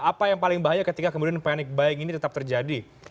apa yang paling bahaya ketika kemudian panic buying ini tetap terjadi